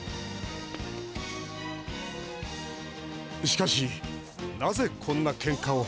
しかしなぜこんなケンカを？